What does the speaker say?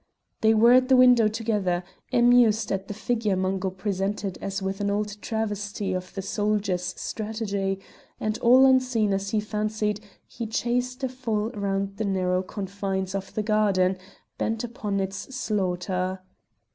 They were at the window together, amused at the figure Mungo presented as with an odd travesty of the soldier's strategy, and all unseen as he fancied, he chased a fowl round the narrow confines of the garden, bent upon its slaughter.